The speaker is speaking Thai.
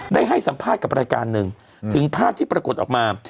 ได้ให้สัมภาษณ์กับรายการหนึ่งถึงภาพที่ปรากฏออกมา